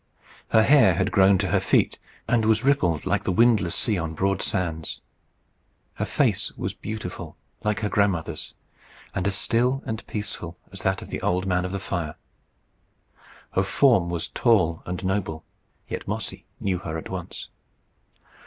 Her hair had grown to her feet, and was rippled like the windless sea on broad sands. Her face was beautiful, like her grandmother's, and as still and peaceful as that of the Old Man of the Fire. Her form was tall and noble. Yet Mossy knew her at once.